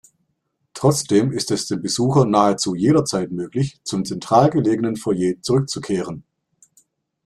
Trotzdem ist es dem Besucher nahezu jederzeit möglich zum zentral gelegenen Foyer zurückzukehren.